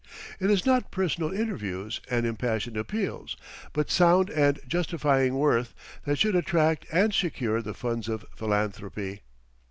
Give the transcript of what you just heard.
It is not personal interviews and impassioned appeals, but sound and justifying worth, that should attract and secure the funds of philanthropy.